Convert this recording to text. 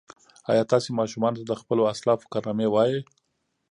ایا تاسي ماشومانو ته د خپلو اسلافو کارنامې وایئ؟